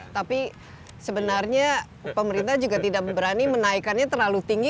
tapi sebenarnya pemerintah juga tidak berani menaikannya terlalu tinggi